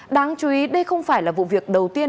đáng chú ý đây không phải là vụ việc đầu tiên